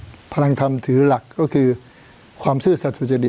พลังธรรมถือหลักก็คือความซื่อสัตว์สุจริต